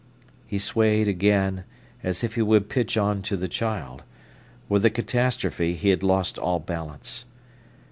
He swayed again, as if he would pitch on to the child. With the catastrophe he had lost all balance.